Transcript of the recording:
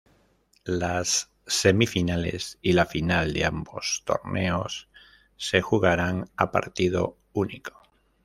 Las semifinales y la final de ambos torneos se jugarán a partido único.